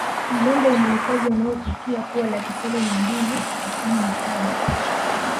Njombe ina wakazi wanaofikia kuwa laki saba mia mbili tisini na saba